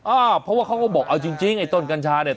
อ่าเพราะว่าเขาก็บอกเอาจริงจริงไอ้ต้นกัญชาเนี่ย